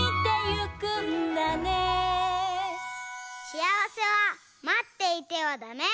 しあわせはまっていてはダメ！